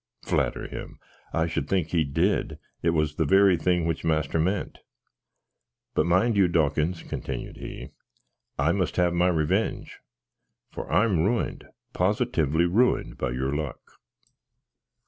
Flatter him! I should think he did. It was the very thing which master ment. "But mind you, Dawkins," continyoud he, "I must have my revenge; for I'm ruined positively ruined by your luck."